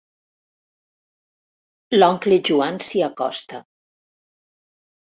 L'oncle Joan s'hi acosta.